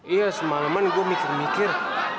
iya semalaman gue mikir mikir